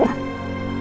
ma jangan sakit